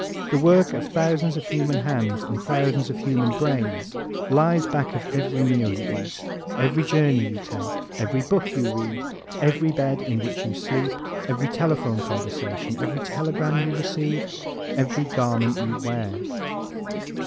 The work of thousands of human hands and thousands of human brains lies back of every meal you eat, every journey you take, every book you read, every bed in which you sleep, every telephone conversation, every telegram you receive, every garment you wear.